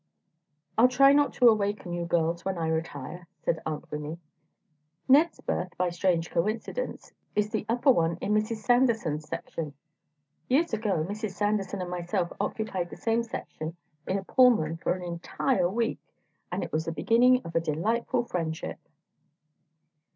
"I'll try not to awaken you, girls, when I retire," said Aunt Winnie. "Ned's berth, by a strange coincidence, is the upper one in Mrs. Sanderson's section. Years ago, Mrs. Sanderson and myself occupied the same section in a Pullman for an entire week, and it was the beginning of a delightful friendship."